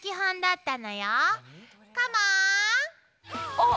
あ！